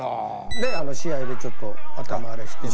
であの試合でちょっと頭あれしてね。